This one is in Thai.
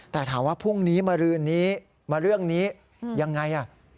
แต่ถามว่าพรุ่งนี้มาเรื่องนี้ยังไง